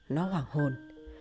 nó hoảng hồn